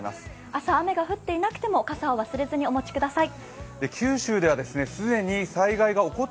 朝、雨が降っていなくても傘を忘れずにお持ちください。